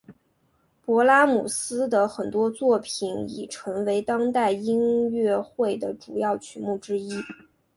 勃拉姆斯的很多作品已成为现代音乐会的主要曲目之一。